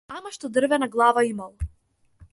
Ама што дрвена глава имал.